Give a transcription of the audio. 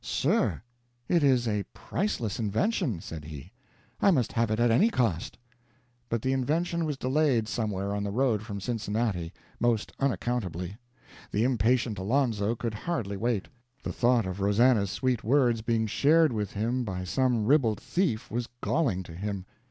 "Sir, it is a priceless invention," said he; "I must have it at any cost." But the invention was delayed somewhere on the road from Cincinnati, most unaccountably. The impatient Alonzo could hardly wait. The thought of Rosannah's sweet words being shared with him by some ribald thief was galling to him.